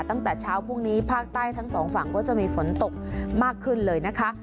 ตั้งแต่เช้าพรุ่งนี้ภาคใต้ทั้งสองฝั่งก็จะมีฝนตกมากขึ้นเลยนะคะ